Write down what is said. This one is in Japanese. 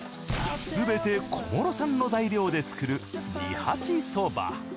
すべて小諸産の材料で作る二八そば。